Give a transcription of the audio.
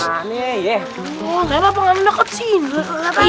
wah kenapa gak mendekat sini